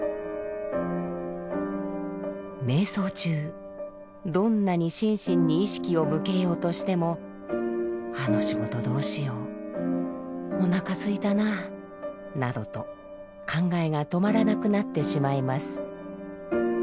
瞑想中どんなに心身に意識を向けようとしてもあの仕事どうしようおなかすいたななどと考えが止まらなくなってしまいます。